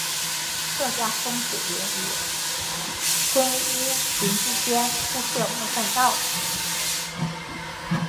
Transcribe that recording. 客家风水林与村屋群之间铺设木栈道。